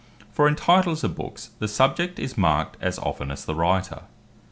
For in titles of Books, the subject is marked, as often as the writer.